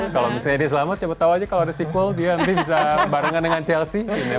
kalau misalnya dia selamat coba tau aja kalau ada sequel dia nanti bisa barengan dengan chelsea